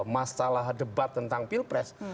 masalah debat tentang pilpres